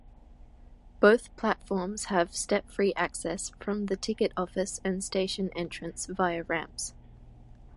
Both platforms have step-free access from the ticket office and station entrance via ramps.